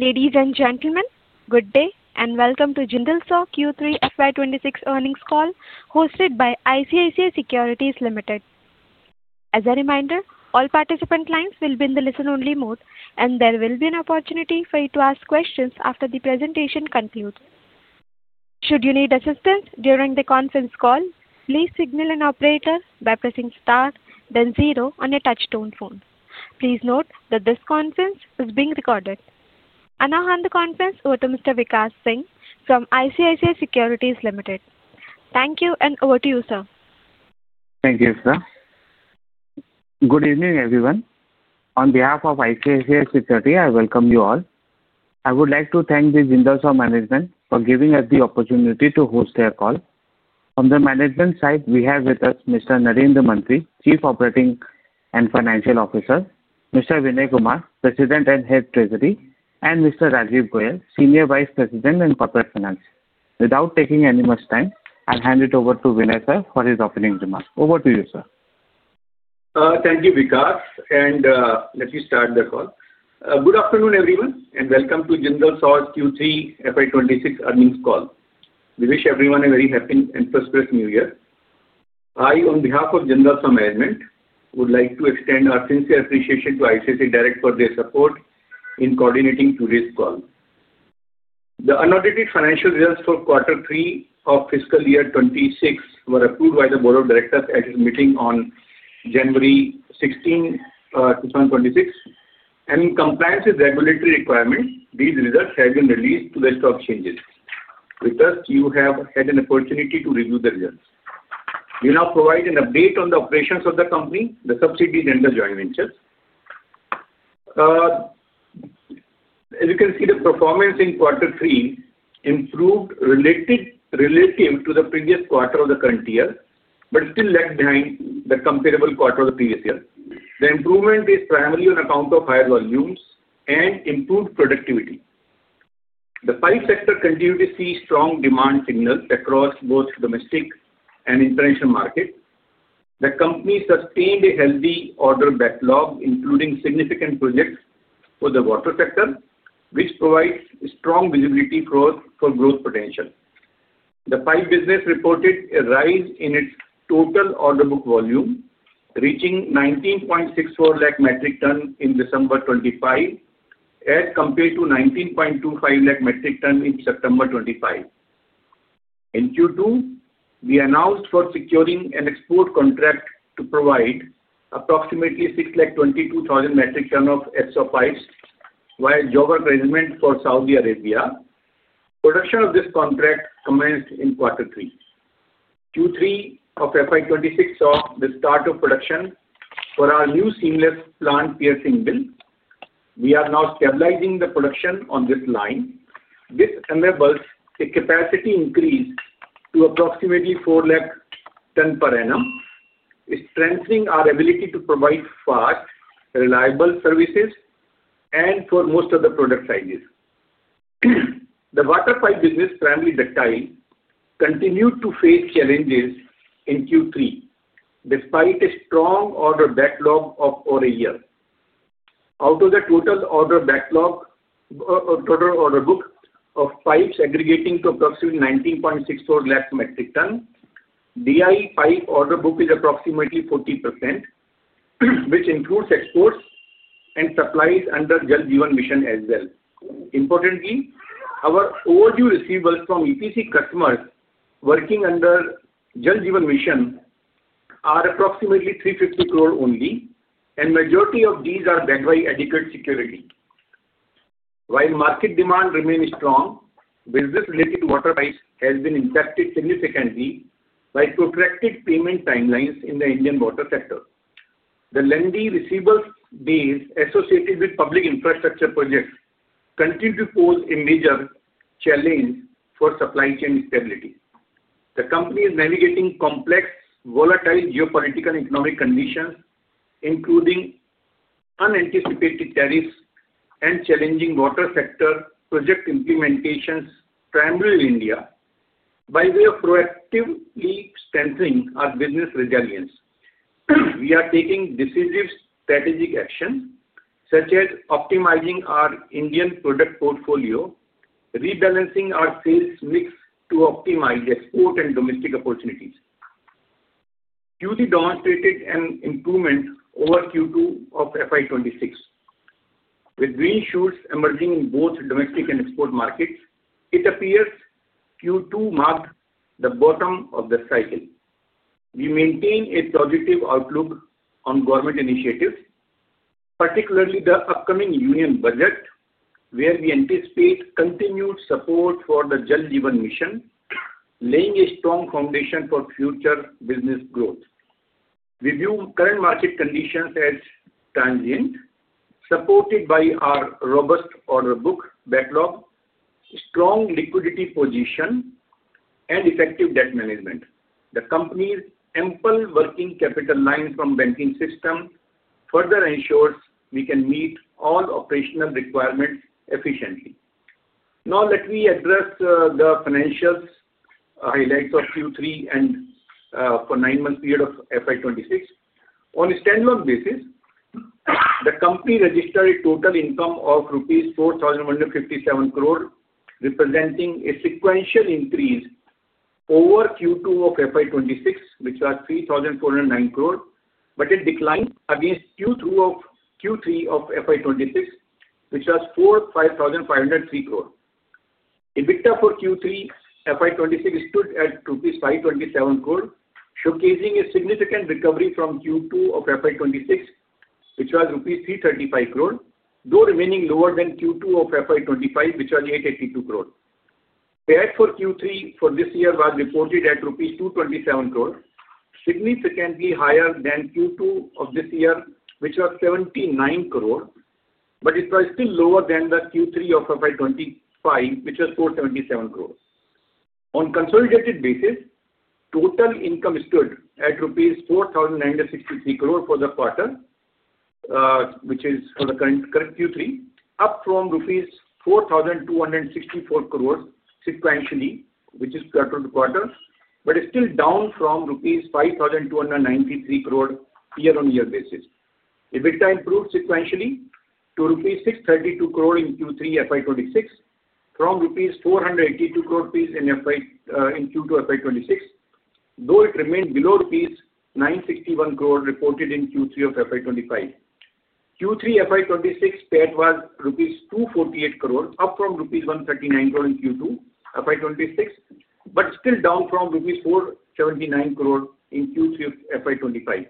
Ladies and gentlemen, good day and welcome to Jindal Saw Q3 FY 2026 earnings call, hosted by ICICI Securities Limited. As a reminder, all participant lines will be in the listen-only mode, and there will be an opportunity for you to ask questions after the presentation concludes. Should you need assistance during the conference call, please signal an operator by pressing star, then zero on your touch-tone phone. Please note that this conference is being recorded, and I'll hand the conference over to Mr. Vikash Singh from ICICI Securities Limited. Thank you, and over to you, sir. Thank you, sir. Good evening, everyone. On behalf of ICICI Securities, I welcome you all. I would like to thank the Jindal Saw Management for giving us the opportunity to host their call. From the management side, we have with us Mr. Narendra Mantri, Chief Operating and Financial Officer, Mr. Vinay Kumar, President and Head Treasury, and Mr. Rajeev Goyal, Senior Vice President in Corporate Finance. Without taking any much time, I'll hand it over to Vinay, sir, for his opening remarks. Over to you, sir. Thank you, Vikas, and let me start the call. Good afternoon, everyone, and welcome to Jindal Saw's Q3 FY 2026 earnings call. We wish everyone a very happy and prosperous new year. I, on behalf of Jindal Saw Management, would like to extend our sincere appreciation to ICICI Direct for their support in coordinating today's call. The unaudited financial results for Quarter 3 of Fiscal Year 26 were approved by the Board of Directors at its meeting on January 16, 2026, and in compliance with regulatory requirements, these results have been released to the stock exchanges. With us, you have had an opportunity to review the results. We now provide an update on the operations of the company, the subsidiaries, and the joint ventures. As you can see, the performance in Quarter 3 improved relative to the previous quarter of the current year, but still lagged behind the comparable quarter of the previous year. The improvement is primarily on account of higher volumes and improved productivity. The five sectors continue to see strong demand signals across both domestic and international markets. The company sustained a healthy order backlog, including significant projects for the water sector, which provides strong visibility for growth potential. The five businesses reported a rise in its total order book volume, reaching 19.64 lakh metric tons in December 2025, as compared to 19.25 lakh metric tons in September 2025. In Q2, we announced for securing an export contract to provide approximately 622,000 metric tons of SAW pipes via Job Work arrangement for Saudi Arabia. Production of this contract commenced in Quarter 3. Q3 of FY 2026 saw the start of production for our new seamless plant piercing mill. We are now stabilizing the production on this line. This enables a capacity increase to approximately 4 lakh tons per annum, strengthening our ability to provide fast, reliable services for most of the product sizes. The water pipe business, primarily ductile, continued to face challenges in Q3, despite a strong order backlog of over a year. Out of the total order book of pipes aggregating to approximately 19.64 lakh metric tons, DI pipe order book is approximately 40%, which includes exports and supplies under Jal Jeevan Mission as well. Importantly, our overdue receivables from EPC customers working under Jal Jeevan Mission are approximately 350 crore only, and the majority of these are backed by adequate security. While market demand remains strong, business-related water pipes have been impacted significantly by protracted payment timelines in the Indian water sector. The lengthy receivables days associated with public infrastructure projects continue to pose a major challenge for supply chain stability. The company is navigating complex, volatile geopolitical and economic conditions, including unanticipated tariffs and challenging water sector project implementations primarily in India, by way of proactively strengthening our business resilience. We are taking decisive strategic actions, such as optimizing our Indian product portfolio, rebalancing our sales mix to optimize export and domestic opportunities. Q3 demonstrated an improvement over Q2 of FY 2026. With green shoots emerging in both domestic and export markets, it appears Q2 marked the bottom of the cycle. We maintain a positive outlook on government initiatives, particularly the upcoming union budget, where we anticipate continued support for the Jal Jeevan Mission, laying a strong foundation for future business growth. We view current market conditions as transient, supported by our robust order book backlog, strong liquidity position, and effective debt management. The company's ample working capital line from the banking system further ensures we can meet all operational requirements efficiently. Now, let me address the financial highlights of Q3 and for the nine-month period of FY 2026. On a standalone basis, the company registered a total income of rupees 4,157 crore, representing a sequential increase over Q2 of FY 2026, which was 3,409 crore, but a decline against Q3 of FY 2025, which was 4,503 crore. EBITDA for Q3 FY 2026 stood at INR 527 crore, showcasing a significant recovery from Q2 of FY 2026, which was INR 335 crore, though remaining lower than Q2 of FY 2025, which was 882 crore. Payout for Q3 for this year was reported at INR 227 crore, significantly higher than Q2 of this year, which was 79 crore, but it was still lower than the Q3 of FY 2025, which was 477 crore. On a consolidated basis, total income stood at rupees 4,963 crore for the quarter, which is for the current Q3, up from rupees 4,264 crore sequentially, which is quarter to quarter, but still down from rupees 5,293 crore year-on-year basis. EBITDA improved sequentially to rupees 632 crore in Q3 FY 2026 from rupees 482 crore in Q2 FY 2026, though it remained below rupees 961 crore reported in Q3 of FY 2025. Q3 FY 2026 payout was rupees 248 crore, up from rupees 139 crore in Q2 FY 2026, but still down from rupees 479 crore in Q3 of FY 2025.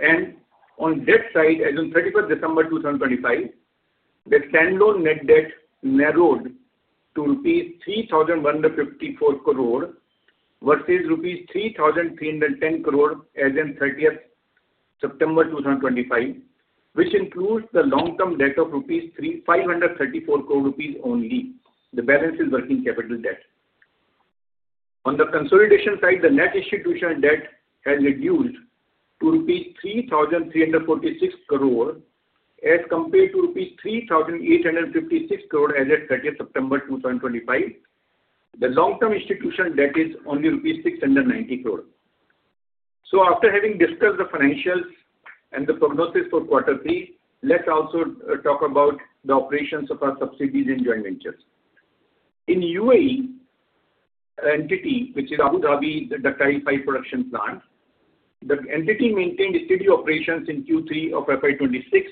And on the debt side, as of 31st December 2025, the standalone net debt narrowed to rupees 3,154 crore versus rupees 3,310 crore as of 30th September 2025, which includes the long-term debt of 534 crore rupees only, the balance is working capital debt. On the consolidated side, the net consolidated debt has reduced to rupees 3,346 crore as compared to rupees 3,856 crore as of 30th September 2025. The long-term consolidated debt is only rupees 690 crore, so after having discussed the financials and the prognosis for Quarter 3, let's also talk about the operations of our subsidiaries and joint ventures. In UAE, an entity, which is Abu Dhabi Ductile Iron Pipe Production Plant, the entity maintained steady operations in Q3 of FY 2026,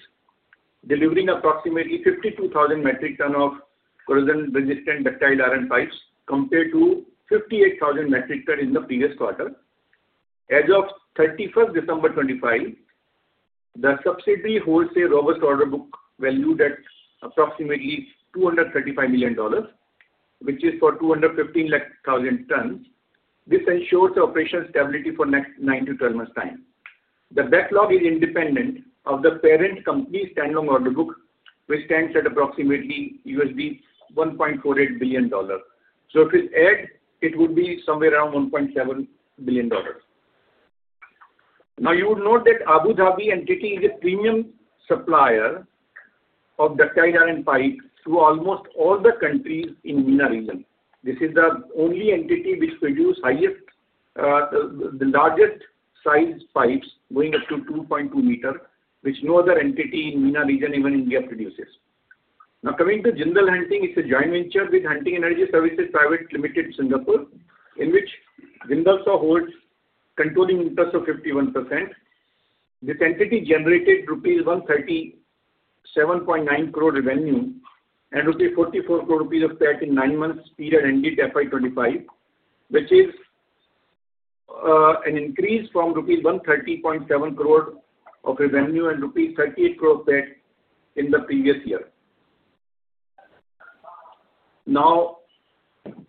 delivering approximately 52,000 metric tons of corrosion-resistant ductile iron pipes, compared to 58,000 metric tons in the previous quarter. As of 31st December 2025, the subsidiary holds a robust order book valued at approximately $235 million, which is for 215,000 tons. This ensures the operation stability for the next nine to 12 months' time. The backlog is independent of the parent company's standalone order book, which stands at approximately $1.48 billion. So if it's added, it would be somewhere around $1.7 billion. Now, you would note that Abu Dhabi entity is a premium supplier of ductile iron pipes to almost all the countries in the MENA region. This is the only entity which produces the largest size pipes, going up to 2.2 meters, which no other entity in the MENA region, even India, produces. Now, coming to Jindal Hunting, it's a joint venture with Hunting Energy Services Private Limited, Singapore, in which Jindal Saw holds controlling interest of 51%. This entity generated rupees 137.9 crore revenue and 44 crore rupees of PAT in the nine-month period ended FY 2025, which is an increase from rupees 130.7 crore of revenue and rupees 38 crore of PAT in the previous year. Now,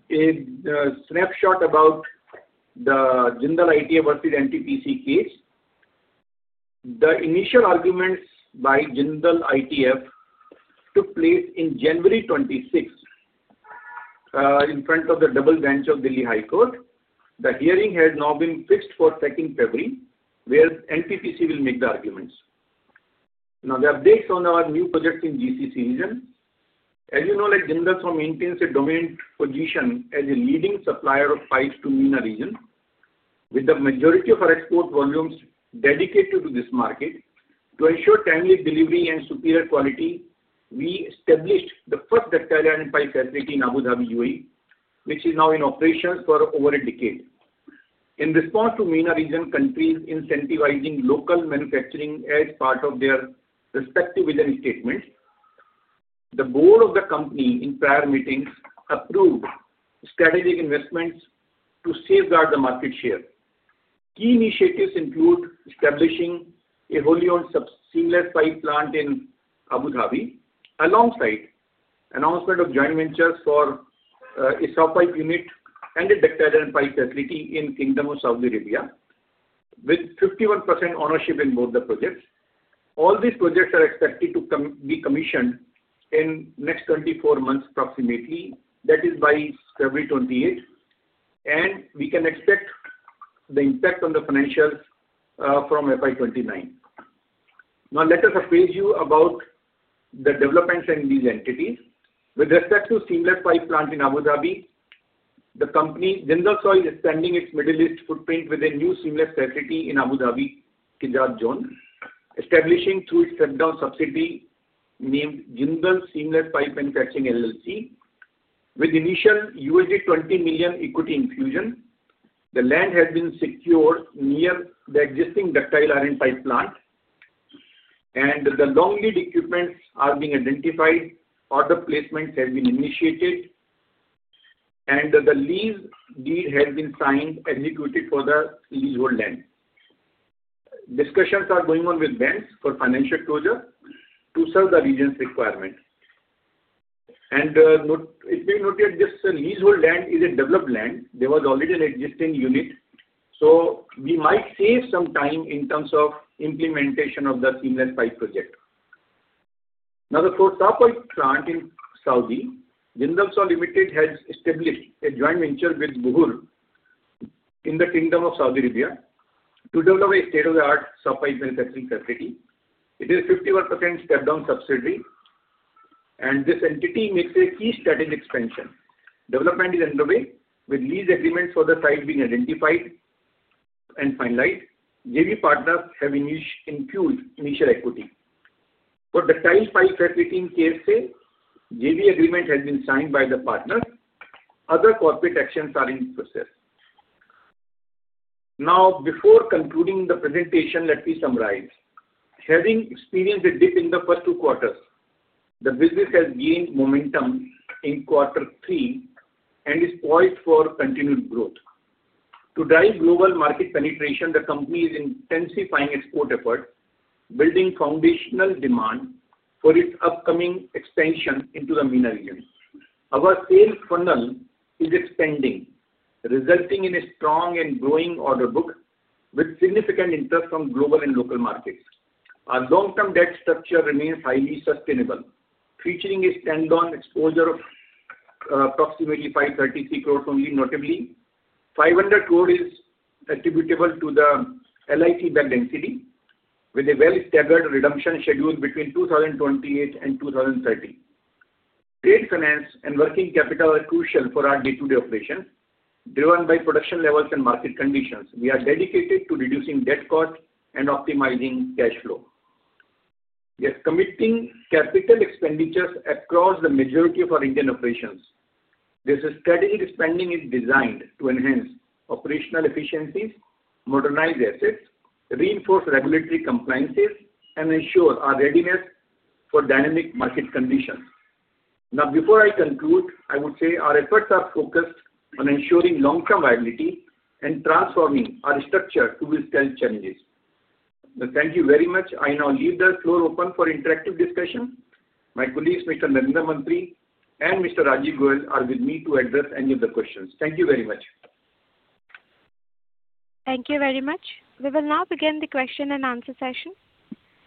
a snapshot about the Jindal ITF versus NTPC case. The initial arguments by Jindal ITF took place on January 26 in front of the double branch of Delhi High Court. The hearing has now been fixed for 2nd February, where NTPC will make the arguments. Now, the updates on our new projects in the GCC region. As you know, Jindal Saw maintains a dominant position as a leading supplier of pipes to the MENA region, with the majority of our export volumes dedicated to this market. To ensure timely delivery and superior quality, we established the first ductile iron pipe facility in Abu Dhabi, UAE, which is now in operations for over a decade. In response to MENA region countries incentivizing local manufacturing as part of their respective vision statements, the board of the company in prior meetings approved strategic investments to safeguard the market share. Key initiatives include establishing a wholly-owned seamless pipe plant in Abu Dhabi, alongside the announcement of joint ventures for a SAW Pipe Unit and a Ductile Iron Pipe Facility in the Kingdom of Saudi Arabia, with 51% ownership in both the projects. All these projects are expected to be commissioned in the next 24 months approximately, that is, by February 28, and we can expect the impact on the financials from FY 2029. Now, let us apprise you about the developments in these entities. With respect to seamless pipe plant in Abu Dhabi, the company Jindal Saw is extending its Middle East footprint with a new seamless facility in Abu Dhabi, KEZAD, establishing through its step-down subsidiary named Jindal Seamless Pipe Manufacturing LLC. With initial $20 million equity infusion, the land has been secured near the existing ductile iron pipe plant, and the long-lead equipment is being identified. Order placements have been initiated, and the lease deed has been signed, executed for the leasehold land. Discussions are going on with banks for financial closure to serve the region's requirement. It may be noted this leasehold land is a developed land. There was already an existing unit, so we might save some time in terms of implementation of the seamless pipe project. Now, the fourth SAW Pipe Plant in Saudi. Jindal Saw Limited has established a joint venture with Buhur in the Kingdom of Saudi Arabia to develop a state-of-the-art SAW Pipe Manufacturing Facility. It is a 51% step-down subsidiary, and this entity makes a key strategic expansion. Development is underway, with lease agreements for the site being identified and finalized. JV partners have infused initial equity. For ductile pipe facility in KEZAD, JV agreement has been signed by the partners. Other corporate actions are in process. Now, before concluding the presentation, let me summarize. Having experienced a dip in the first two quarters, the business has gained momentum in Q3 and is poised for continued growth. To drive global market penetration, the company is intensifying export efforts, building foundational demand for its upcoming expansion into the MENA region. Our sales funnel is expanding, resulting in a strong and growing order book, with significant interest from global and local markets. Our long-term debt structure remains highly sustainable, featuring a standalone exposure of approximately 533 crore only. Notably, 500 crore is attributable to the JITF-backed entity, with a well-staggered redemption scheduled between 2028 and 2030. Trade finance and working capital are crucial for our day-to-day operations, driven by production levels and market conditions. We are dedicated to reducing debt costs and optimizing cash flow. Yes, committing capital expenditures across the majority of our Indian operations. This strategic spending is designed to enhance operational efficiencies, modernize assets, reinforce regulatory compliances, and ensure our readiness for dynamic market conditions. Now, before I conclude, I would say our efforts are focused on ensuring long-term viability and transforming our structure to withstand challenges. Thank you very much. I now leave the floor open for interactive discussion. My colleagues, Mr. Narendra Mantri and Mr. Rajeev Goyal, are with me to address any of the questions. Thank you very much. Thank you very much. We will now begin the question and answer session.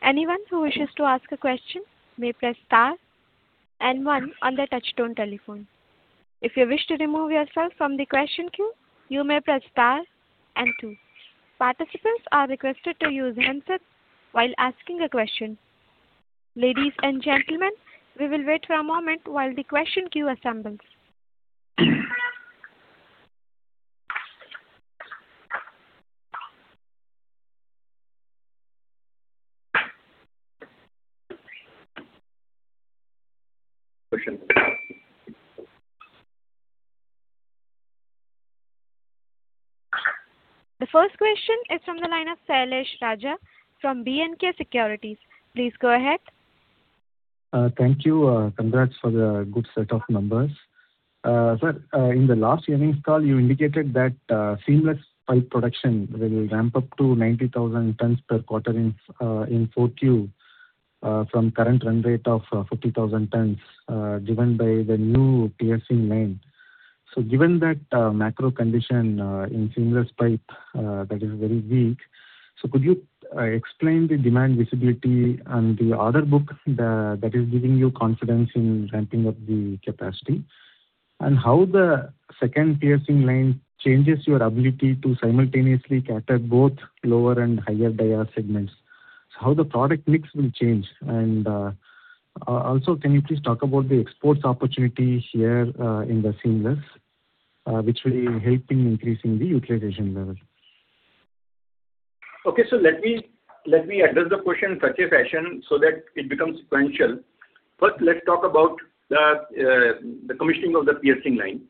Anyone who wishes to ask a question may press star and one on the touch-tone telephone. If you wish to remove yourself from the question queue, you may press star and two. Participants are requested to use handsets while asking a question. Ladies and gentlemen, we will wait for a moment while the question queue assembles. The first question is from the line of Sailesh Raja from B&K Securities. Please go ahead. Thank you. Congrats for the good set of numbers. Sir, in the last earnings call, you indicated that seamless pipe production will ramp up to 90,000 tons per quarter in Q4 from current run rate of 50,000 tons, given by the new PSC line. Given that macro condition in seamless pipe, that is very weak, could you explain the demand visibility on the order book that is giving you confidence in ramping up the capacity and how the second PSC line changes your ability to simultaneously cater both lower and higher dia segments? How the product mix will change. Also, can you please talk about the exports opportunity here in the seamless, which will be helping increasing the utilization level? Okay, so let me address the question in such a fashion so that it becomes sequential. First, let's talk about the commissioning of the PSC line.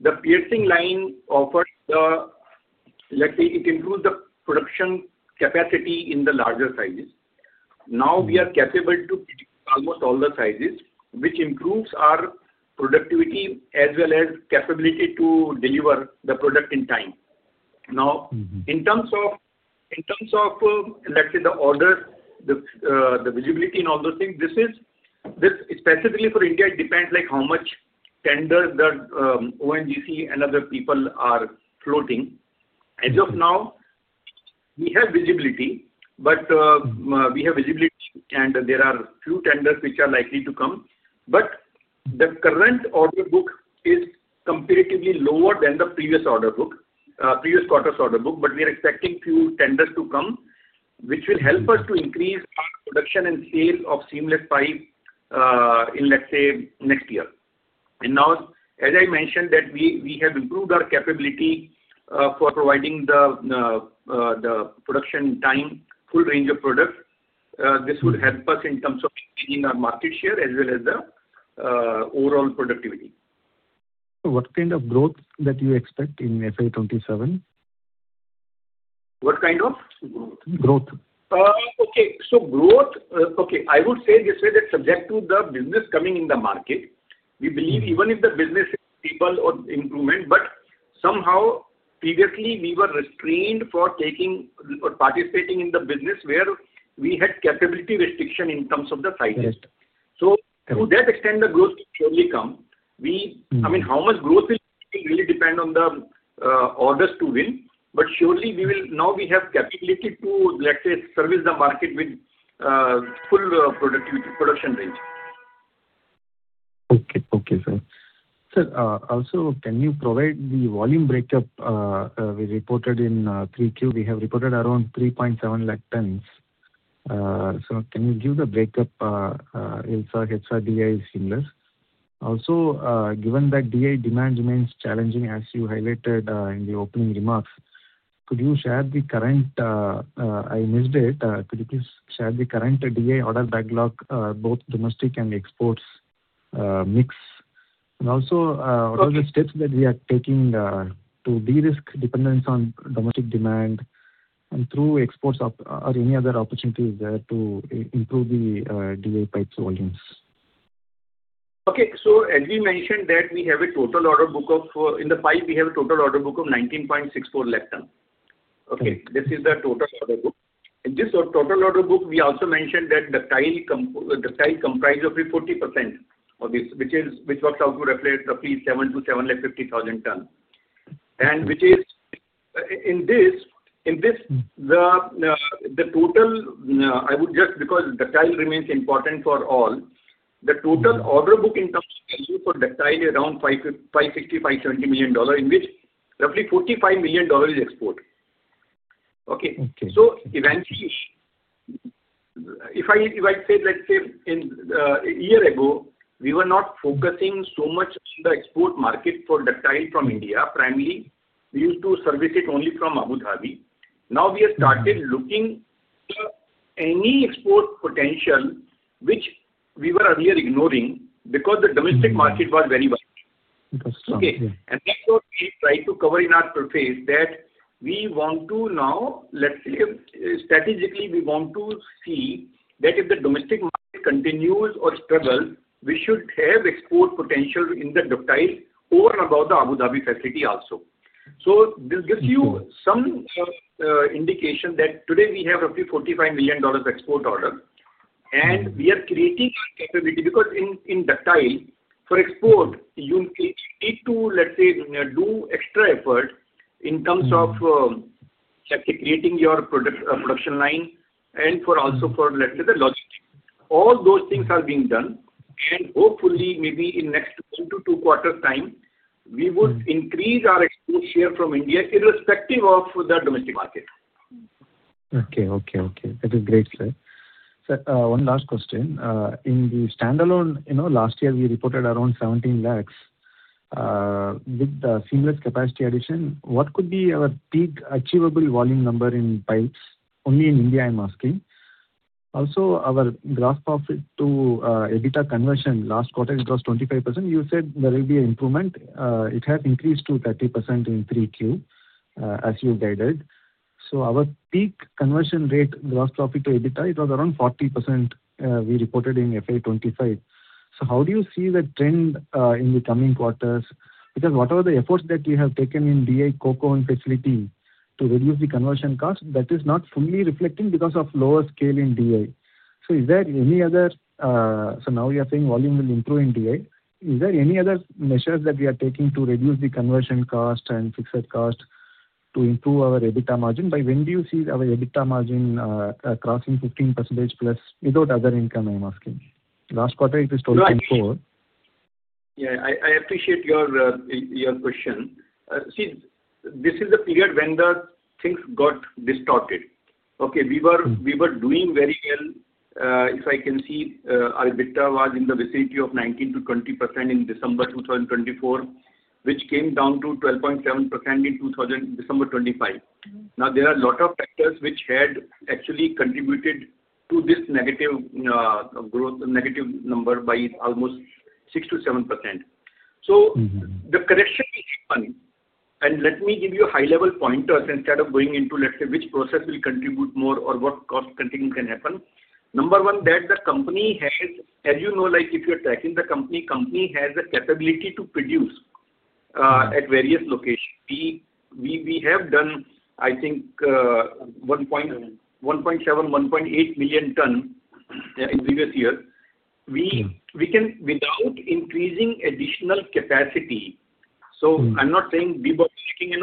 The PSC line offers the, let's say, it improves the production capacity in the larger sizes. Now we are capable to produce almost all the sizes, which improves our productivity as well as capability to deliver the product in time. Now, in terms of, let's say, the order, the visibility and all those things, this is specifically for India. It depends like how much tenders the ONGC and other people are floating. As of now, we have visibility, but we have visibility and there are few tenders which are likely to come. But the current order book is comparatively lower than the previous order book, previous quarter's order book, but we are expecting few tenders to come, which will help us to increase our production and sales of seamless pipe in, let's say, next year. And now, as I mentioned, that we have improved our capability for providing the production time, full range of products. This would help us in terms of increasing our market share as well as the overall productivity. What kind of growth that you expect in FY 2027? What kind of growth? Growth. Okay, so growth, okay, I would say this way that subject to the business coming in the market, we believe even if the business is stable or improvement, but somehow previously we were restrained for taking or participating in the business where we had capability restriction in terms of the sizes. So to that extent, the growth will surely come. I mean, how much growth will really depend on the orders to win, but surely we will now have capability to, let's say, service the market with full production range. Okay, okay, sir. Sir, also, can you provide the volume breakup we reported in three Q? We have reported around 3.7 lakh tons. So can you give the breakup, LSAW, HSAW, DI, Seamless? Also, given that DI demand remains challenging, as you highlighted in the opening remarks, could you share the current—I missed it. Could you please share the current DI order backlog, both domestic and exports mix? And also, what are the steps that we are taking to de-risk dependence on domestic demand and through exports or any other opportunities there to improve the DI pipe volumes? Okay, so as we mentioned that we have a total order book of—in the pipe, we have a total order book of 19.64 lakh tons. Okay, this is the total order book. In this total order book, we also mentioned that ductile comprises roughly 40% of this, which works out to roughly 700,000 tons-750,000 tons. And which is in this, the total, I would just, because ductile remains important for all, the total order book in terms of value for ductile is around $560 million-$570 million, in which roughly $45 million is export. Okay, so eventually, if I say, let's say, a year ago, we were not focusing so much on the export market for ductile from India. Primarily, we used to service it only from Abu Dhabi. Now we have started looking for any export potential, which we were earlier ignoring because the domestic market was very wide. Okay, and that's what we tried to cover in our surfaced that we want to now, let's say, strategically, we want to see that if the domestic market continues or struggles, we should have export potential in the ductile or above the Abu Dhabi facility also. So this gives you some indication that today we have roughly $45 million export order, and we are creating our capability because in ductile, for export, you need to, let's say, do extra effort in terms of, let's say, creating your production line and also for, let's say, the logistics. All those things are being done, and hopefully, maybe in the next one to two quarters' time, we would increase our export share from India irrespective of the domestic market. Okay, okay, okay. That is great, sir. Sir, one last question. In the standalone, last year we reported around 17 lakhs with the seamless capacity addition. What could be our peak achievable volume number in pipes? Only in India, I'm asking. Also, our gross profit to EBITDA conversion last quarter across 25%, you said there will be an improvement. It has increased to 30% in 3Q, as you guided. So our peak conversion rate, gross profit to EBITDA, it was around 40% we reported in FY 2025. So how do you see the trend in the coming quarters? Because whatever the efforts that you have taken in DI Kosi Kalan facility to reduce the conversion cost, that is not fully reflecting because of lower scale in DI. So is there any other, so now we are saying volume will improve in DI. Is there any other measures that we are taking to reduce the conversion cost and fixed cost to improve our EBITDA margin? By when do you see our EBITDA margin crossing 15% plus without other income, I'm asking? Last quarter, it is 24. Yeah, I appreciate your question. See, this is the period when the things got distorted. Okay, we were doing very well. If I can see, our EBITDA was in the vicinity of 19%-20% in December 2024, which came down to 12.7% in December 2025. Now, there are a lot of factors which had actually contributed to this negative growth, negative number by almost 6%-7%. So the correction is done. And let me give you high-level pointers instead of going into, let's say, which process will contribute more or what cost continuing can happen. Number one, that the company has, as you know, like if you're tracking the company, the company has the capability to produce at various locations. We have done, I think, 1.7-1.8 million tons in previous years. We can, without increasing additional capacity. So I'm not saying we were tracking,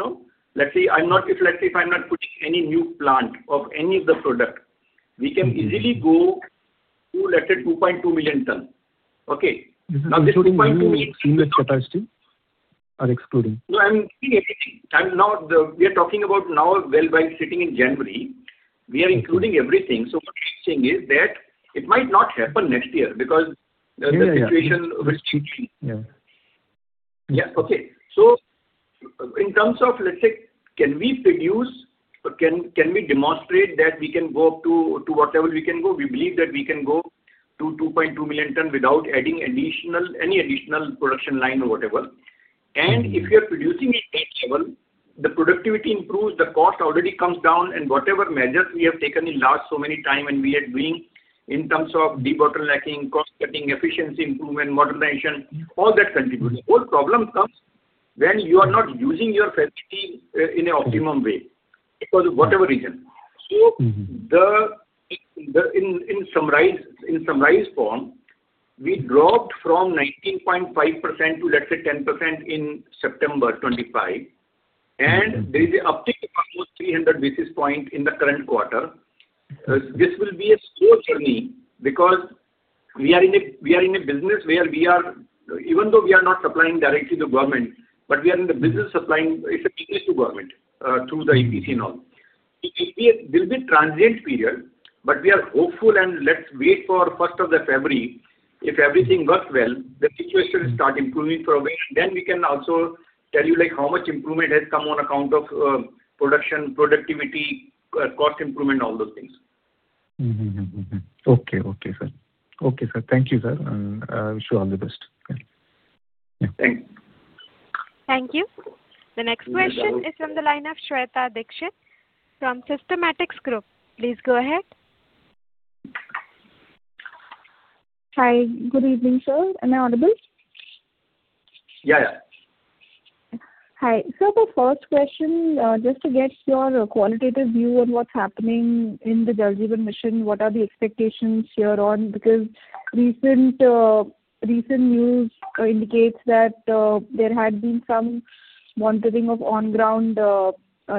let's say, if I'm not putting any new plant of any of the product, we can easily go to, let's say, 2.2 million tons. Okay. Now this 2.2 million tons. Seamless capacity are excluding. No, I'm seeing everything. Now we are talking about now, well, by sitting in January, we are including everything. So what I'm saying is that it might not happen next year because the situation will change. Yeah, okay. So in terms of, let's say, can we produce or can we demonstrate that we can go up to whatever we can go? We believe that we can go to 2.2 million tons without adding any additional production line or whatever. And if you're producing at that level, the productivity improves, the cost already comes down, and whatever measures we have taken in last so many times and we are doing in terms of de-bottlenecking, cost-cutting, efficiency improvement, modernization, all that contributes. The whole problem comes when you are not using your facility in an optimum way because of whatever reason. So in summarized form, we dropped from 19.5% to, let's say, 10% in September 2025, and there is an uptick of almost 300 basis points in the current quarter. This will be a slow journey because we are in a business where we are, even though we are not supplying directly to the government, but we are in the business supplying it's a business to government through the EPC and all. So it will be a transient period, but we are hopeful and let's wait for first of February. If everything works well, the situation will start improving for a while, and then we can also tell you how much improvement has come on account of production, productivity, cost improvement, all those things. Okay, okay, sir. Okay, sir. Thank you, sir, and I wish you all the best. Thanks. Thank you. The next question is from the line of Shweta Dikshit from Systematix Group. Please go ahead. Hi, good evening, sir. Am I audible? Yeah, yeah. Hi. So the first question, just to get your qualitative view on what's happening in the Jal Jeevan Mission, what are the expectations here on? Because recent news indicates that there had been some monitoring of on-ground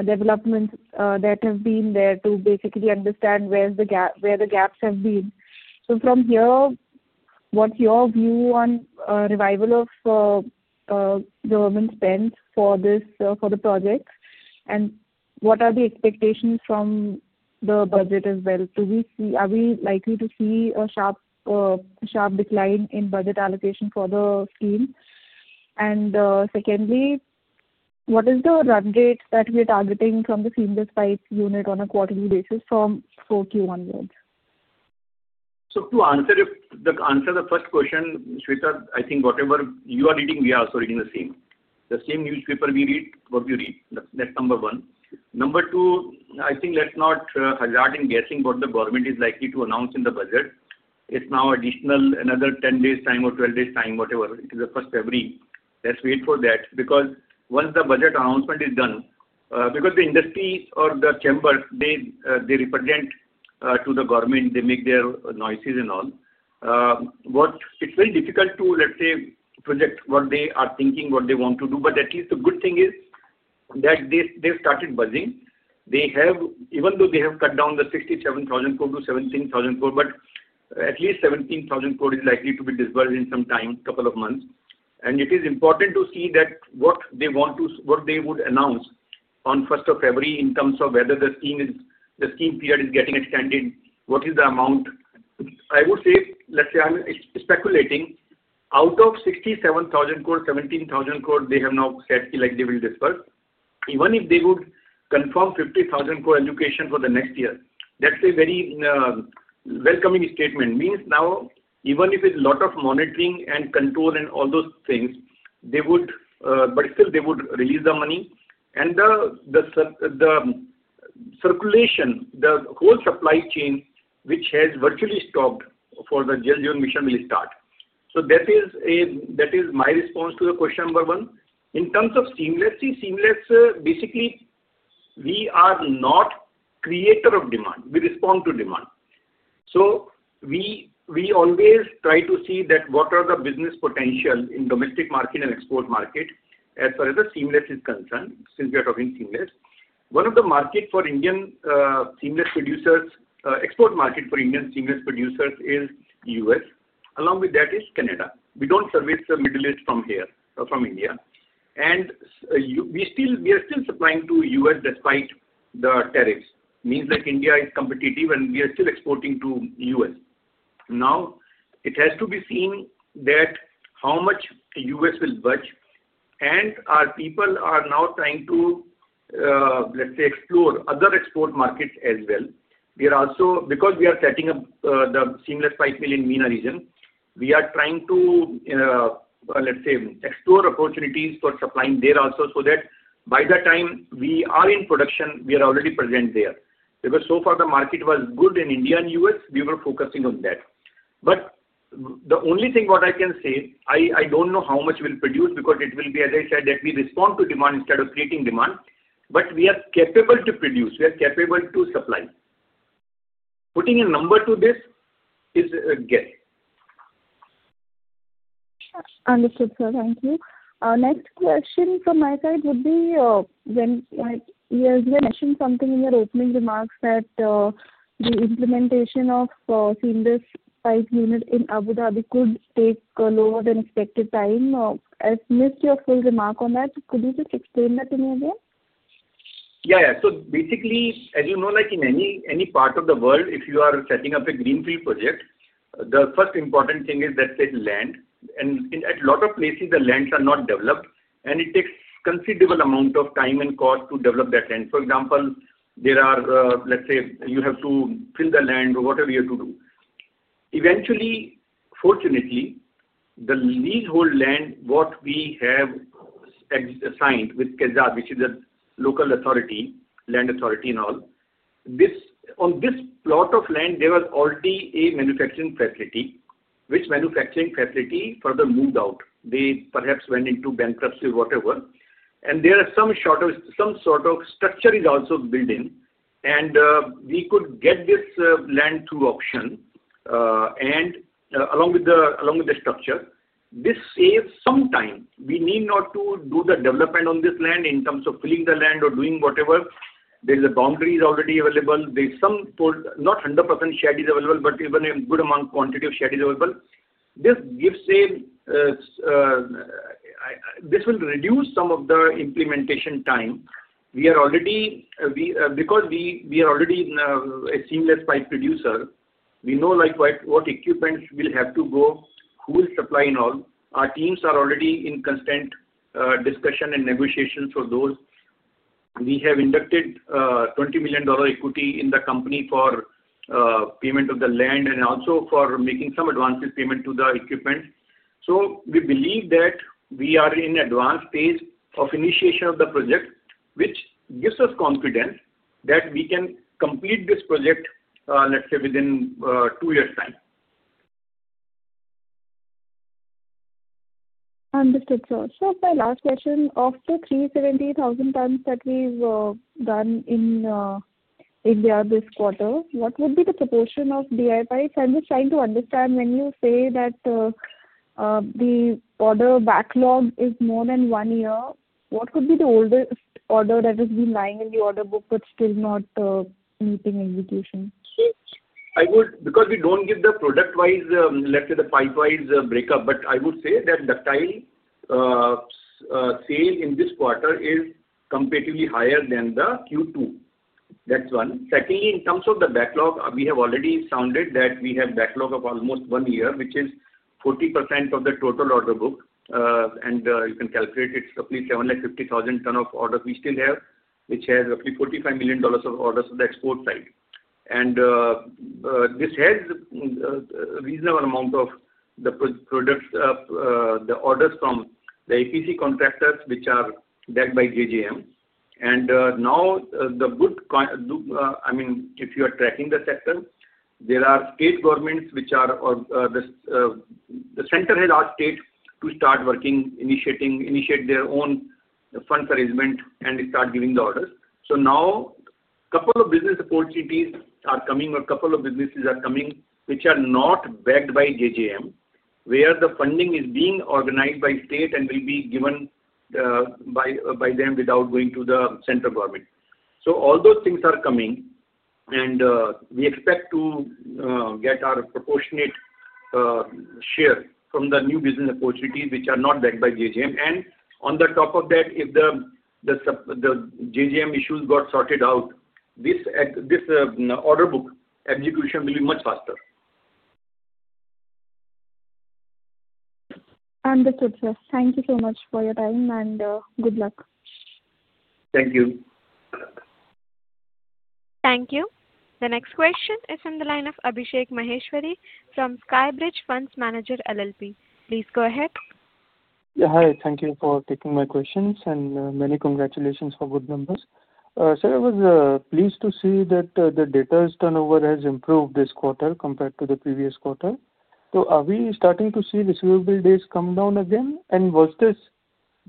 developments that have been there to basically understand where the gaps have been. So from here, what's your view on revival of government spend for the project, and what are the expectations from the budget as well? Are we likely to see a sharp decline in budget allocation for the scheme? And secondly, what is the run rate that we are targeting from the seamless pipe unit on a quarterly basis from four Q onwards? So to answer the first question, Shweta, I think whatever you are reading, we are also reading the same. The same newspaper we read, what we read. That's number one. Number two, I think let's not hazard in guessing what the government is likely to announce in the budget. It's now additional another 10 days' time or 12 days' time, whatever. It is the first February. Let's wait for that because once the budget announcement is done, because the industry or the chamber, they represent to the government, they make their noises and all. It's very difficult to, let's say, project what they are thinking, what they want to do, but at least the good thing is that they've started budging. Even though they have cut down the 67,000 crore to 17,000 crore, but at least 17,000 crore is likely to be disbursed in some time, a couple of months, and it is important to see that what they want to, what they would announce on first of February in terms of whether the scheme period is getting extended, what is the amount. I would say, let's say, I'm speculating, out of 67,000 crore, 17,000 crore, they have now said they will disperse. Even if they would confirm 50,000 crore allocation for the next year, that's a very welcoming statement. That means now, even if it's a lot of monitoring and control and all those things, they would, but still they would release the money, and the circulation, the whole supply chain, which has virtually stopped for the Jal Jeevan Mission, will start. So that is my response to the question number one. In terms of seamless, see, seamless, basically, we are not creator of demand. We respond to demand. So we always try to see that what are the business potential in domestic market and export market as far as the seamless is concerned, since we are talking seamless. One of the markets for Indian seamless producers, export market for Indian seamless producers is U.S. Along with that is Canada. We don't service the Middle East from here, from India. And we are still supplying to the U.S. despite the tariffs. It means that India is competitive and we are still exporting to the U.S. Now, it has to be seen how much the U.S. will budge, and our people are now trying to, let's say, explore other export markets as well. We are also, because we are setting up the seamless pipe mill in the MENA region, trying to, let's say, explore opportunities for supplying there also so that by the time we are in production, we are already present there. Because so far, the market was good in India and the U.S., we were focusing on that. But the only thing what I can say, I don't know how much we'll produce because it will be, as I said, that we respond to demand instead of creating demand, but we are capable to produce. We are capable to supply. Putting a number to this is a guess. Understood, sir. Thank you. Next question from my side would be, you mentioned something in your opening remarks that the implementation of seamless pipe unit in Abu Dhabi could take a lower than expected time. I've missed your full remark on that. Could you just explain that to me again? Yeah, yeah. So basically, as you know, like in any part of the world, if you are setting up a greenfield project, the first important thing is, let's say, land, and at a lot of places, the lands are not developed, and it takes a considerable amount of time and cost to develop that land. For example, there are, let's say, you have to fill the land or whatever you have to do. Eventually, fortunately, the leasehold land, what we have signed with KEZAD, which is a local authority, land authority and all, on this plot of land, there was already a manufacturing facility, which manufacturing facility further moved out. They perhaps went into bankruptcy or whatever. And there are some sort of structure is also built in, and we could get this land through auction and along with the structure. This saves some time. We need not to do the development on this land in terms of filling the land or doing whatever. There is a boundary already available. There is some not 100% shed is available, but even a good amount quantity of shed is available. This will reduce some of the implementation time. Because we are already a seamless pipe producer, we know what equipment will have to go, who will supply and all. Our teams are already in constant discussion and negotiations for those. We have inducted $20 million equity in the company for payment of the land and also for making some advance payments to the equipment. So we believe that we are in advanced phase of initiation of the project, which gives us confidence that we can complete this project, let's say, within two years' time. Understood, sir. So my last question, of the 370,000 tons that we've done in India this quarter, what would be the proportion of DI pipes? I'm just trying to understand when you say that the order backlog is more than one year, what would be the oldest order that has been lying in the order book but still not meeting execution? Because we don't give the product-wise, let's say, the pipe-wise breakup, but I would say that the ductile sale in this quarter is comparatively higher than the Q2. That's one. Secondly, in terms of the backlog, we have already sounded that we have backlog of almost one year, which is 40% of the total order book. And you can calculate it's roughly 750,000 tons of orders we still have, which has roughly $45 million of orders on the export side. And this has a reasonable amount of the orders from the EPC contractors, which are backed by JJM. And now the good, I mean, if you are tracking the sector, there are state governments which are, the center has asked state to start working, initiate their own funds arrangement and start giving the orders. So now a couple of business opportunities are coming or a couple of businesses are coming which are not backed by JJM, where the funding is being organized by state and will be given by them without going to the central government. So all those things are coming, and we expect to get our proportionate share from the new business opportunities which are not backed by JJM. And on the top of that, if the JJM issues got sorted out, this order book execution will be much faster. Understood, sir. Thank you so much for your time and good luck. Thank you. Thank you. The next question is from the line of Abhishek Maheshwari from Skyridge Funds Manager LLP. Please go ahead. Yeah, hi. Thank you for taking my questions and many congratulations for good numbers. Sir, I was pleased to see that the debtor turnover has improved this quarter compared to the previous quarter. So are we starting to see receivable days come down again? And was this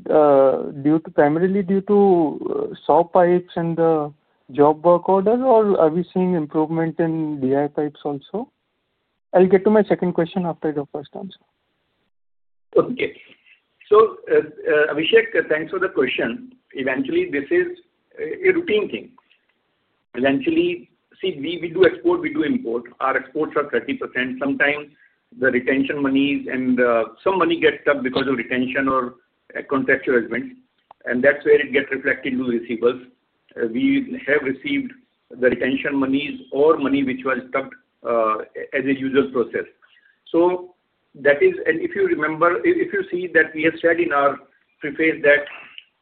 primarily due to SAW Pipes and the job work order, or are we seeing improvement in DI pipes also? I'll get to my second question after your first answer. Okay. So Abhishek, thanks for the question. Actually, this is a routine thing. Actually, see, we do export, we do import. Our exports are 30%. Sometimes the retention monies and some money gets stuck because of retention or contractual arrangement. And that's where it gets reflected to receivables. We have received the retention monies or money which was stuck as a usual process. So that is, and if you remember, if you see that we have said in our preface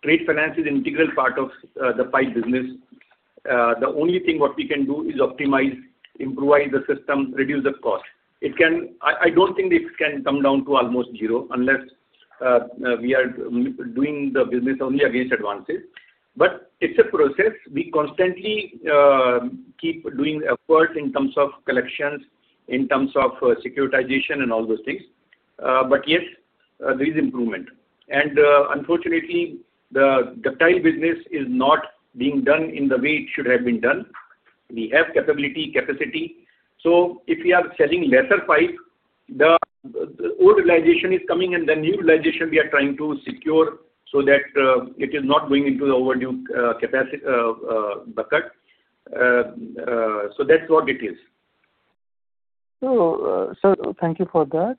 that trade finance is an integral part of the pipe business. The only thing what we can do is optimize, improvise the system, reduce the cost. I don't think it can come down to almost zero unless we are doing the business only against advances. But it's a process. We constantly keep doing efforts in terms of collections, in terms of securitization, and all those things. But yes, there is improvement. And unfortunately, the tile business is not being done in the way it should have been done. We have capability, capacity. So if we are selling lesser pipe, the old realization is coming and the new realization we are trying to secure so that it is not going into the overdue bucket. So that's what it is. So thank you for that.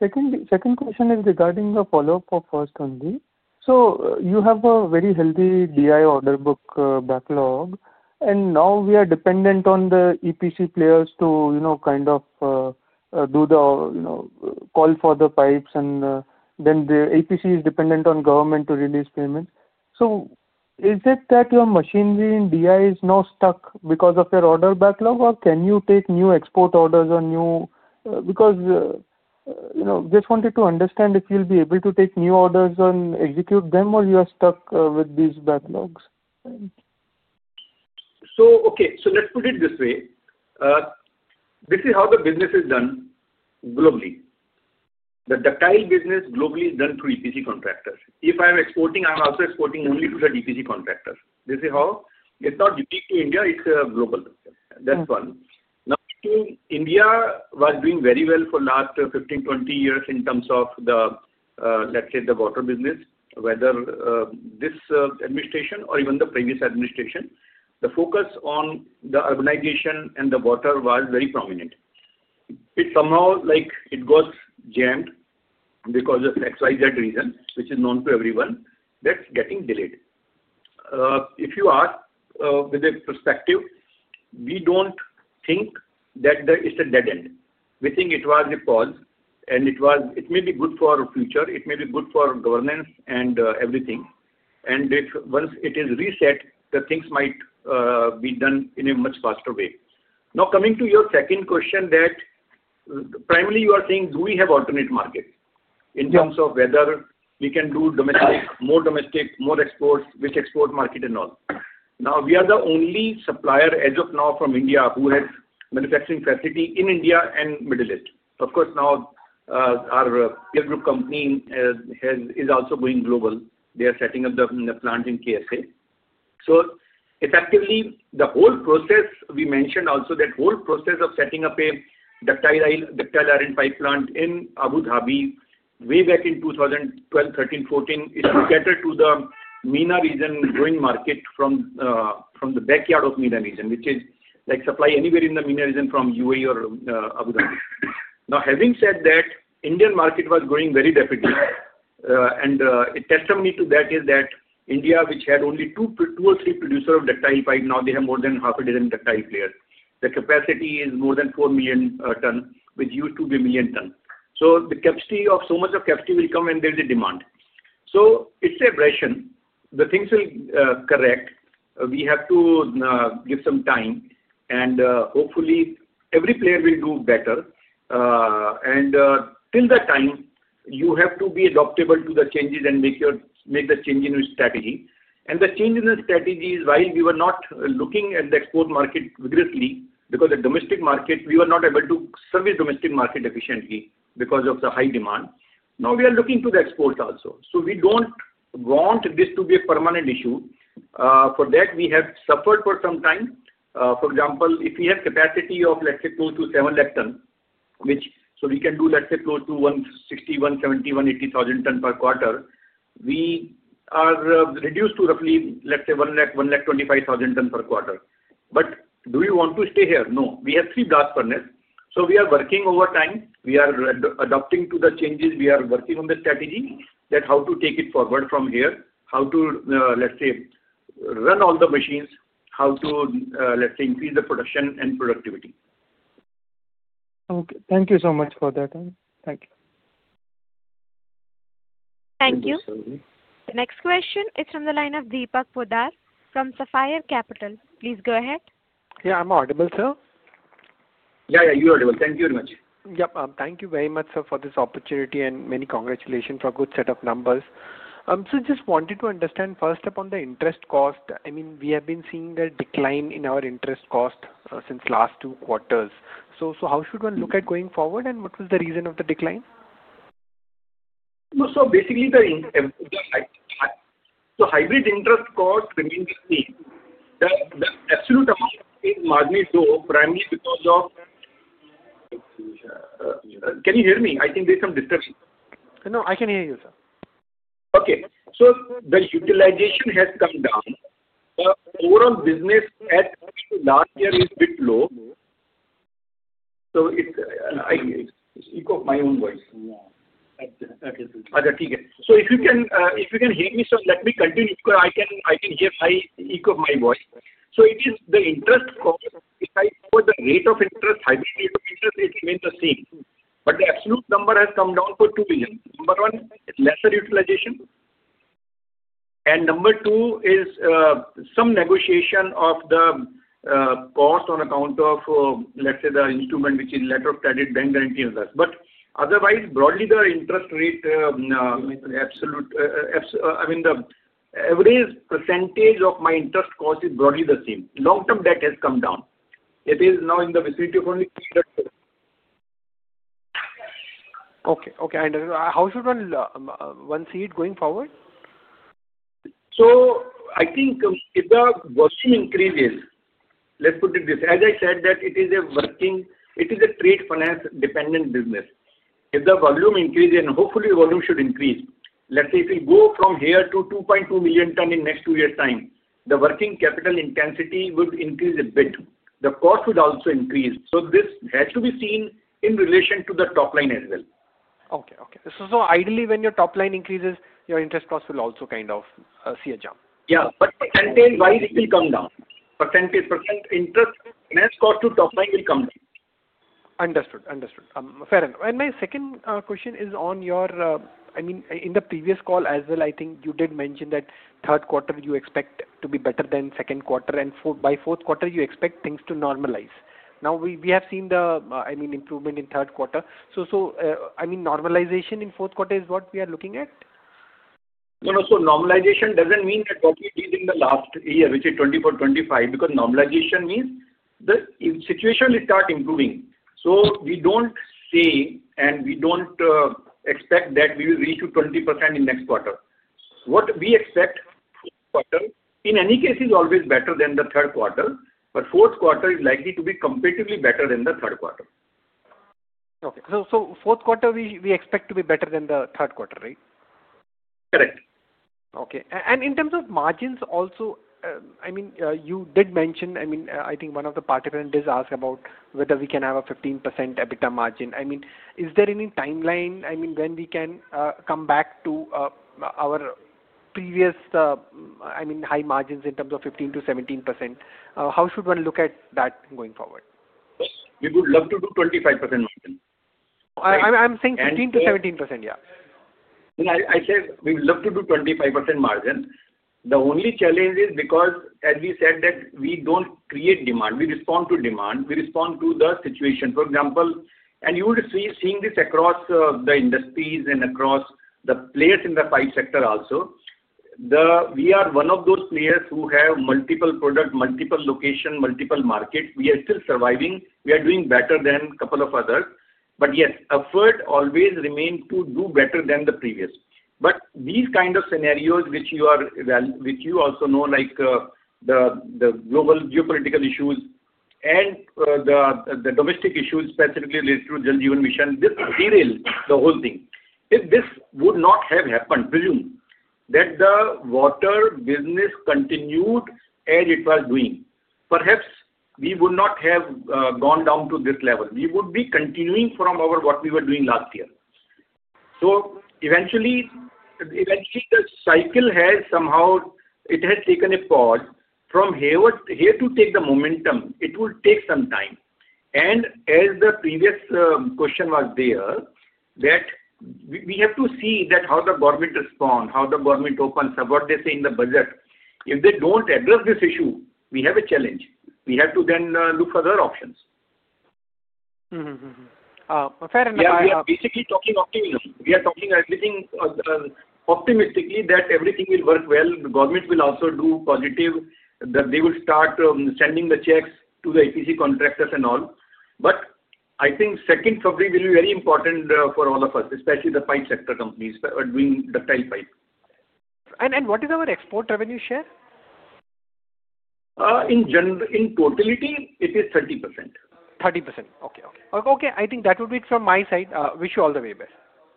Second question is regarding the follow-up of first only. So you have a very healthy DI order book backlog, and now we are dependent on the EPC players to kind of do the call for the pipes, and then the EPC is dependent on government to release payments. So is it that your machinery in DI is now stuck because of your order backlog, or can you take new export orders or new? Because just wanted to understand if you'll be able to take new orders and execute them, or you are stuck with these backlogs? So okay. So let's put it this way. This is how the business is done globally. The DI business globally is done through EPC contractors. If I'm exporting, I'm also exporting only through the EPC contractors. This is how. It's not unique to India. It's global. That's one. Number two, India was doing very well for the last 15, 20 years in terms of the, let's say, the water business, whether this administration or even the previous administration. The focus on the urbanization and the water was very prominent. It somehow like it got jammed because of XYZ reason, which is known to everyone. That's getting delayed. If you ask with a perspective, we don't think that it's a dead end. We think it was a pause, and it may be good for future. It may be good for governance and everything, and once it is reset, the things might be done in a much faster way. Now, coming to your second question that primarily you are saying, do we have alternate markets in terms of whether we can do more domestic, more exports, which export market and all. Now, we are the only supplier as of now from India who has manufacturing facility in India and Middle East. Of course, now our peer group company is also going global. They are setting up the plant in KSA. So effectively, the whole process we mentioned also, that whole process of setting up a ductile iron pipe plant in Abu Dhabi way back in 2012, 2013, 2014, it catered to the MENA region growing market from the backyard of MENA region, which is like supply anywhere in the MENA region from UAE or Abu Dhabi. Now, having said that, Indian market was growing very rapidly, and a testimony to that is that India, which had only two or three producers of ductile pipe, now they have more than half a dozen ductile players. The capacity is more than four million tons, which used to be one million tons. So the capacity of so much capacity will come when there is a demand. So it's rational. The things will correct. We have to give some time, and hopefully, every player will do better. And till that time, you have to be adaptable to the changes and make the change in your strategy. And the change in the strategy is while we were not looking at the export market vigorously because the domestic market, we were not able to service domestic market efficiently because of the high demand. Now we are looking to the exports also. So we don't want this to be a permanent issue. For that, we have suffered for some time. For example, if we have capacity of, let's say, close to 7 lakh tons. So we can do, let's say, close to 160, 170, 180,000 tons per quarter. We are reduced to roughly, let's say, 1 lakh, 125,000 tons per quarter. But do we want to stay here? No. We have three blocks for this. So we are working over time. We are adapting to the changes. We are working on the strategy that how to take it forward from here, how to, let's say, run all the machines, how to, let's say, increase the production and productivity. Okay. Thank you so much for that. Thank you. Thank you. The next question is from the line of Deepak Poddar from Sapphire Capital. Please go ahead. Yeah, I'm audible, sir? Yeah, yeah. You're audible. Thank you very much. Yep. Thank you very much, sir, for this opportunity and many congratulations for a good set of numbers. So just wanted to understand first upon the interest cost. I mean, we have been seeing a decline in our interest cost since last two quarters. So how should one look at going forward, and what was the reason of the decline? So basically, the hybrid interest cost, when you see the absolute amount is marginally low, primarily because of can you hear me? I think there's some disturbance. No, I can hear you, sir. Okay. So if you can hear me, sir, let me continue because I can hear high echo of my voice. So it is the interest cost. If I put the rate of interest, hybrid rate of interest, it remains the same. But the absolute number has come down for two reasons. Number one, it's lesser utilization. And number two is some negotiation of the cost on account of, let's say, the instrument, which is letter of credit, bank guarantee, and such. But otherwise, broadly, the interest rate absolute, I mean, the average percentage of my interest cost is broadly the same. Long-term debt has come down. It is now in the vicinity of only 300. Okay. Okay. I understand. How should one see it going forward? So I think if the volume increases, let's put it this way. As I said, it is a working capital intensive business. It is a trade finance dependent business. If the volume increases, and hopefully, volume should increase, let's say, if we go from here to 2.2 million tons in the next two years' time, the working capital intensity would increase a bit. The cost would also increase. So this has to be seen in relation to the top line as well. Okay. Okay. So ideally, when your top line increases, your interest cost will also kind of see a jump. Yeah. But percentage-wise, it will come down. Percentage percent interest finance cost to top line will come down. Understood. Understood. Fair enough. And my second question is on your, I mean, in the previous call as well, I think you did mention that third quarter you expect to be better than second quarter, and by fourth quarter, you expect things to normalize. Now, we have seen the, I mean, improvement in third quarter. So I mean, normalization in fourth quarter is what we are looking at? No, no. So normalization doesn't mean that what we did in the last year, which is 2024, 2025, because normalization means the situation will start improving. We don't see, and we don't expect that we will reach to 20% in next quarter. What we expect in any case is always better than the third quarter, but fourth quarter is likely to be comparatively better than the third quarter. Okay. So fourth quarter, we expect to be better than the third quarter, right? Correct. Okay. And in terms of margins also, I mean, you did mention, I mean, I think one of the participants did ask about whether we can have a 15% EBITDA margin. I mean, is there any timeline, I mean, when we can come back to our previous, I mean, high margins in terms of 15%-17%? How should one look at that going forward? We would love to do 25% margin. I'm saying 15%-17%, yeah. I said we would love to do 25% margin. The only challenge is because, as we said, that we don't create demand. We respond to demand. We respond to the situation. For example, and you will be seeing this across the industries and across the players in the pipe sector also. We are one of those players who have multiple products, multiple locations, multiple markets. We are still surviving. We are doing better than a couple of others. But yes, effort always remains to do better than the previous. But these kind of scenarios, which you also know, like the global geopolitical issues and the domestic issues, specifically related to the Jal Jeevan Mission, this derails the whole thing. If this would not have happened, presume that the water business continued as it was doing, perhaps we would not have gone down to this level. We would be continuing from what we were doing last year. So eventually, the cycle has somehow taken a pause. From here to take the momentum, it will take some time. And as the previous question was there, that we have to see how the government responds, how the government opens up, what they say in the budget. If they don't address this issue, we have a challenge. We have to then look for other options. Fair enough. We are basically talking optimism. We are talking everything optimistically that everything will work well. The government will also do positive. They will start sending the checks to the EPC contractors and all. But I think second quarter will be very important for all of us, especially the pipe sector companies doing ductile pipe. And what is our export revenue share? In totality, it is 30%. 30%. Okay. Okay. Okay. I think that would be it from my side. Wish you all the very best.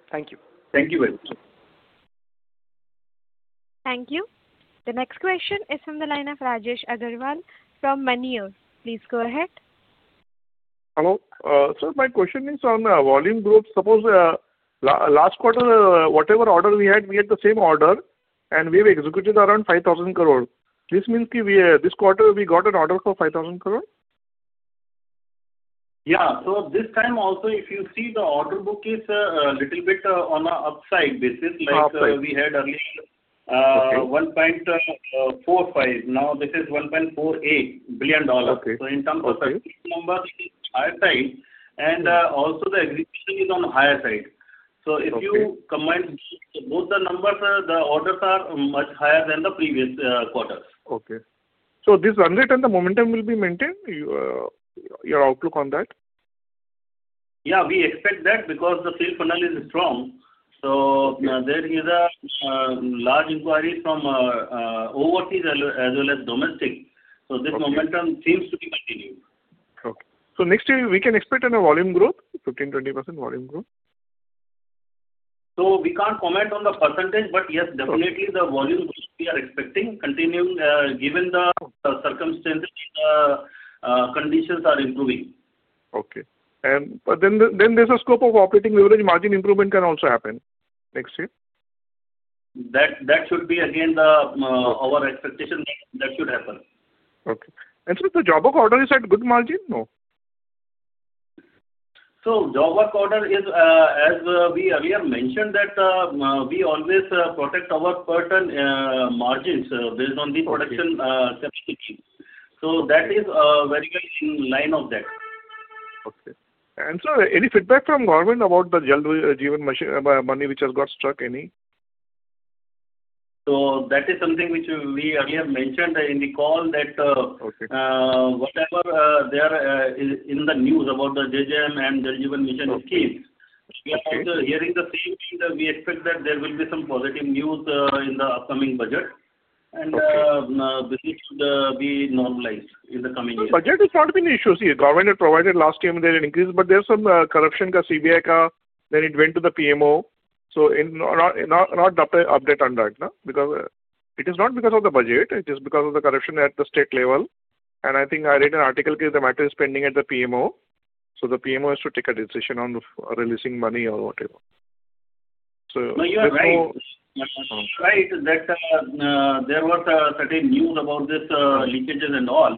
Thank you. Thank you very much. Thank you. The next question is from the line of Rajesh Agarwal from Moneyore. Please go ahead. Hello. Sir, my question is on the volume growth. Suppose last quarter, whatever order we had, we had the same order, and we have executed around 5,000 crores. This means this quarter, we got an order for 5,000 crores? Yeah. So this time also, if you see the order book is a little bit on an upside basis, like we had earlier $1.45 billion. Now this is $1.48 billion. So in terms of number, this is higher side, and also the execution is on the higher side. So if you combine both the numbers, the orders are much higher than the previous quarters. Okay. So this run rate and the momentum will be maintained? Your outlook on that? Yeah. We expect that because the sales funnel is strong. So there is a large inquiry from overseas as well as domestic. So this momentum seems to be continued. Okay. So next year, we can expect a volume growth, 15%-20% volume growth? So we can't comment on the percentage, but yes, definitely the volume growth we are expecting, given the circumstances and the conditions are improving. Okay. But then there's a scope of operating leverage margin improvement can also happen next year? That should be, again, our expectation that should happen. Okay. And sir, the job work order is at good margin? No? So job work order is, as we have mentioned, that we always protect our margins based on the production capability. So that is very much in line with that. Okay. And sir, any feedback from government about the Jal Jeevan money which has got stuck? Any? So that is something which we earlier mentioned in the call that whatever there is in the news about the JJM and Jal Jeevan Mission scheme, we are hearing the same thing. We expect that there will be some positive news in the upcoming budget, and this should be normalized in the coming years. Budget has not been an issue here. Government had provided last year when there was an increase, but there's some corruption in the CBI, then it went to the PMO. So no update on that, because it is not because of the budget. It is because of the corruption at the state level. And I think I read an article that the matter is pending at the PMO. So the PMO has to take a decision on releasing money or whatever. So right that there was certain news about this leakages and all.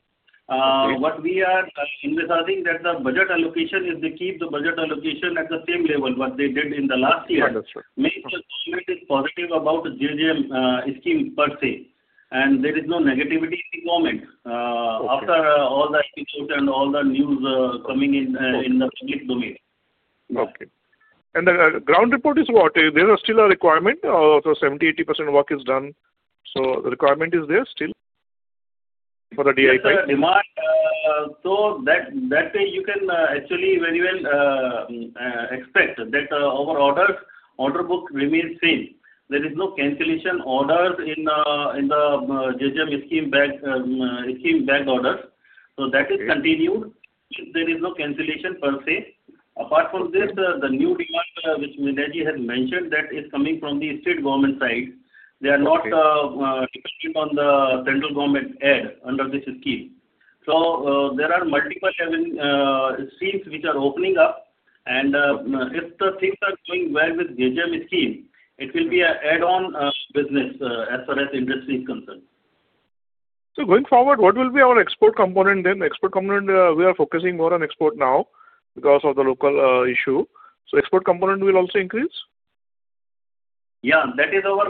But we are emphasizing that the budget allocation is to keep the budget allocation at the same level what they did in the last year. Means the government is positive about the JJM scheme per se, and there is no negativity in the government after all the episodes and all the news coming in the public domain. Okay. And the ground report is what? There is still a requirement? Or 70%-80% work is done? So the requirement is there still for the DI pipes? So that way, you can actually very well expect that our orders, order book remains same. There is no cancellation orders in the JJM scheme back orders. So that is continued. There is no cancellation per se. Apart from this, the new demand which Neeraj-ji has mentioned that is coming from the state government side, they are not dependent on the central government aid under this scheme. So there are multiple streams which are opening up, and if the things are going well with JJM scheme, it will be an add-on business as far as industry is concerned. So going forward, what will be our export component then? Export component, we are focusing more on export now because of the local issue. So export component will also increase? Yeah. That is our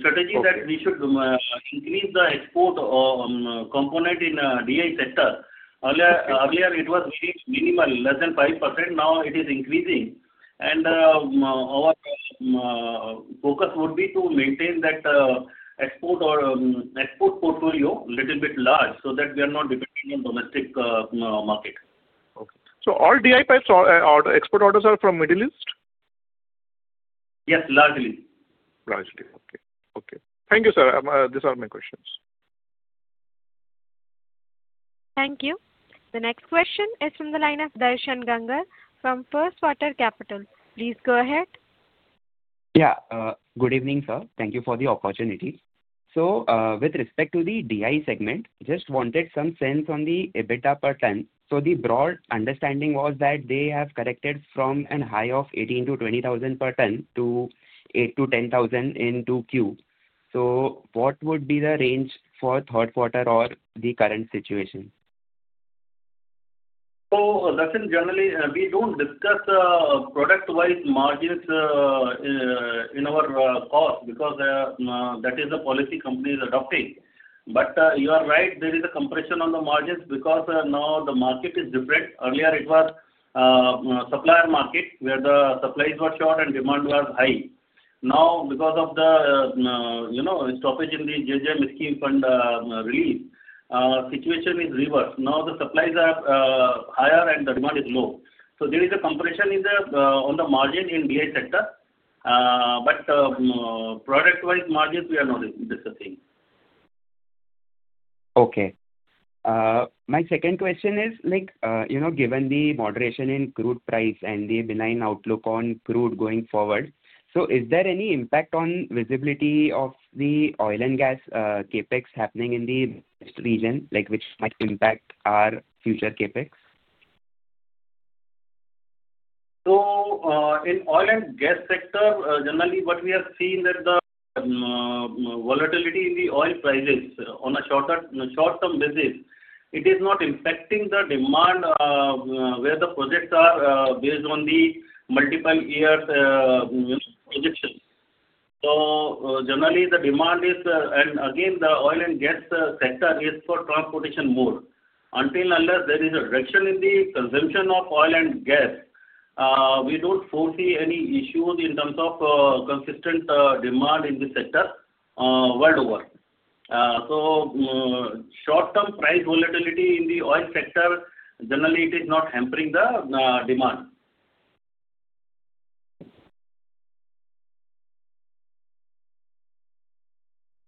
strategy that we should increase the export component in DI sector. Earlier, it was very minimal, less than 5%. Now it is increasing, and our focus would be to maintain that export portfolio a little bit large so that we are not dependent on domestic market. Okay. So all DI pipes or export orders are from Middle East? Yes, largely. Largely. Okay. Okay. Thank you, sir. These are my questions. Thank you. The next question is from the line of Darshan Gangar from First Water Capital. Please go ahead. Yeah. Good evening, sir. Thank you for the opportunity. So with respect to the DI segment, just wanted some sense on the EBITDA per ton. So the broad understanding was that they have corrected from a high of 18,000 per ton-20,000 per ton to 8,000 per ton-10,000 per ton in 2Q. So what would be the range for third quarter or the current situation? So generally, we don't discuss product-wise margins in our calls because that is the policy companies adopting. But you are right, there is a compression on the margins because now the market is different. Earlier, it was supplier market where the supplies were short and demand was high. Now, because of the stoppage in the JJM scheme fund release, the situation is reversed. Now the supplies are higher and the demand is low. So there is a compression on the margin in DI sector, but product-wise margins, we are not discussing. Okay. My second question is, given the moderation in crude price and the benign outlook on crude going forward, so is there any impact on visibility of the oil and gas CapEx happening in the region, which might impact our future CapEx? So in oil and gas sector, generally, what we have seen is the volatility in the oil prices on a short-term basis. It is not impacting the demand where the projects are based on the multiple years' projections. So generally, the demand is, and again, the oil and gas sector is for transportation mode. Until unless there is a reduction in the consumption of oil and gas, we don't foresee any issues in terms of consistent demand in the sector worldwide. So short-term price volatility in the oil sector, generally, it is not hampering the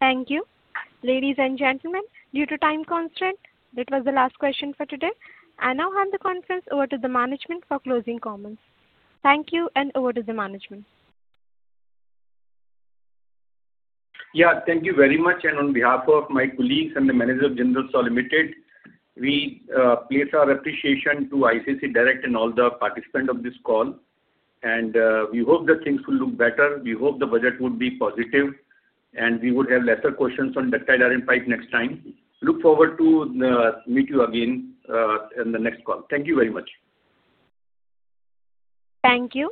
demand. Thank you. Ladies and gentlemen, due to time constraint, that was the last question for today. I now hand the conference over to the management for closing comments. Thank you, and over to the management. Yeah. Thank you very much. And on behalf of my colleagues and the management of Jindal Saw Limited, we place our appreciation to ICICI Direct and all the participants of this call. And we hope that things will look better. We hope the budget would be positive, and we would have lesser questions on ductile iron pipe next time. Look forward to meeting you again in the next call. Thank you very much. Thank you.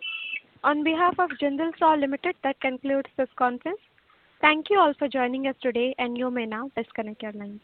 On behalf of Jal Jeevan Mission, that concludes this conference. Thank you all for joining us today, and you may now disconnect your line.